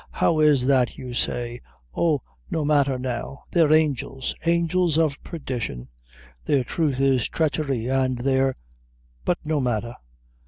how is that, you say? oh, no matther now; they're angels; angels of perdition; their truth is treachery, an' their but no matther.